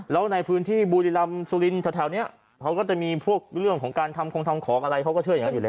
แล้วในพื้นที่บุรีรำสุรินแถวนี้เขาก็จะมีพวกเรื่องของการทำคงทำของอะไรเขาก็เชื่ออย่างนั้นอยู่แล้ว